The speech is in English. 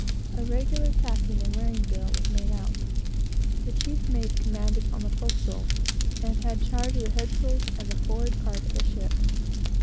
A regular tacking and wearing bill was made out. The chief mate commanded on the forecastle, and had charge of the head sails and the forward part of the ship.